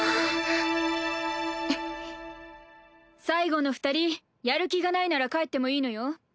最後の二人やる気がないなら帰ってもいいのよ。